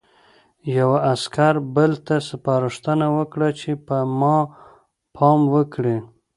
یوه عسکر بل ته سپارښتنه وکړه چې په ما پام وکړي